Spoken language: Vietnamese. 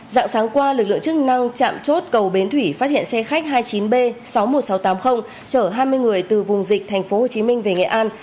dạng sáng qua lực lượng chức năng chạm chốt cầu bến thủy phát hiện xe khách hai mươi chín b sáu mươi một nghìn sáu trăm tám mươi chở hai mươi người từ vùng dịch tp hcm về nghệ an